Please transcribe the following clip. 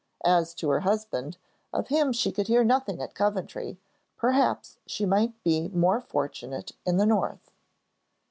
As to her husband, of him she could hear nothing at Coventry; perhaps she might be more fortunate in the north.